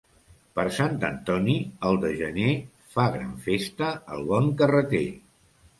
Per Sant Antoni, el de gener, fa gran festa el bon carreter.